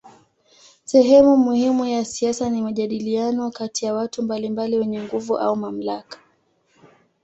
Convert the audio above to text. Sehemu muhimu ya siasa ni majadiliano kati ya watu mbalimbali wenye nguvu au mamlaka.